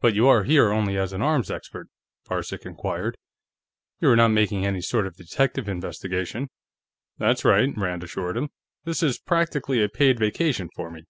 "But you are here only as an arms expert?" Varcek inquired. "You are not making any sort of detective investigation?" "That's right," Rand assured him. "This is practically a paid vacation, for me.